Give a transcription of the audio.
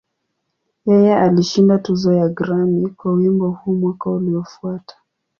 Yeye alishinda tuzo ya Grammy kwa wimbo huu mwaka uliofuata.